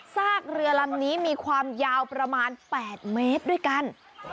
ซากเรือลำนี้มีความยาวประมาณ๘เมตรด้วยกัน